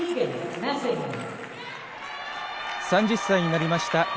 ３０歳になりました。